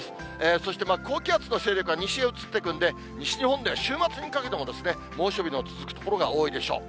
そして高気圧の勢力は西へ移っていくんで、西日本では週末にかけても猛暑日の続く所が多いでしょう。